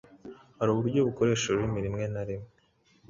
hari uburyo bakoresha ururimi rimwe na rimwe